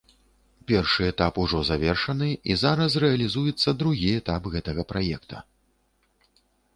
Першы этап ужо завершаны, і зараз рэалізуецца другі этап гэтага праекта.